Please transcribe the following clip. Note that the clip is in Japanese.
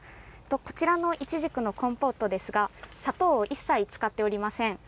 こちらのいちじくのコンポートですが砂糖を一切使っておりません。